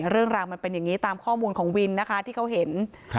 เรื่องราวมันเป็นอย่างนี้ตามข้อมูลของวินนะคะที่เขาเห็นครับ